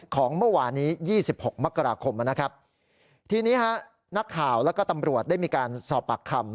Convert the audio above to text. ของเมื่อวานนี้๒๖มกราคมนะครับทีนี้ฮะนักข่าวแล้วก็ตำรวจได้มีการสอบปากคำ